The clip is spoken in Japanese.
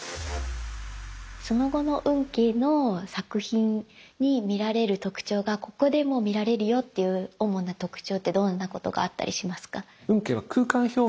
その後の運慶の作品に見られる特徴がここでも見られるよという主な特徴ってどんなことがあったりしますか？